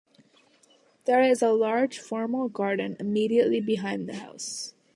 There is a large formal garden immediately behind the house.